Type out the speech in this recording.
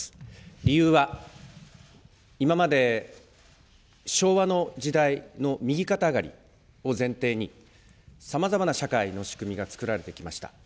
理由は、今まで昭和の時代の右肩上がりを前提に、さまざまな社会の仕組みがつくられてきました。